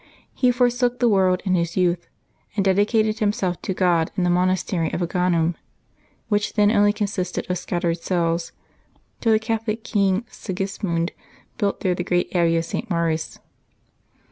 He forsook the world in his youth, and dedicated himself to God in the monastery of Agaunum, which then only consisted of scattered cells, till the Catholic King Sigismund built there the great abbey of St. Maurice.